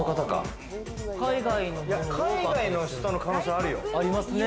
海外の人の可能性あるよ。